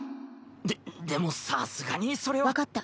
ででもさすがにそれは。分かった。